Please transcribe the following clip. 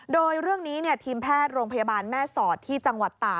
โดยเรื่องนี้ทีมแพทย์โรงพยาบาลแม่สอดที่จังหวัดตา